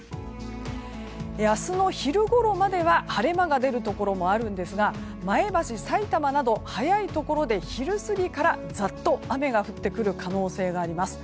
明日の昼ごろまでは晴れ間が出るところもありますが前橋、さいたまなど早いところで昼過ぎからザッと雨が降ってくる可能性があります。